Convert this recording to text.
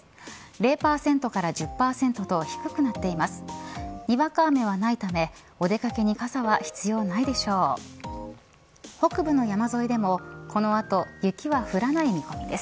０％から１０％と低くなっています。